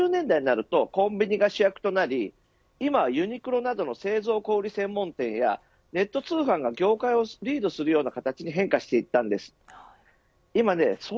それが１９９０年代になるとコンビニが主役となり今はユニクロなどの製造小売り専門店やネット通販が業界をリードするような形に変化していったんです。